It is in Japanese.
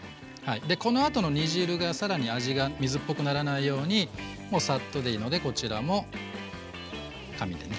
でこのあとの煮汁が更に味が水っぽくならないようにもうサッとでいいのでこちらも紙でね